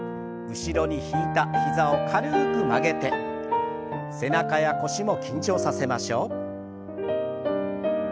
後ろに引いた膝を軽く曲げて背中や腰も緊張させましょう。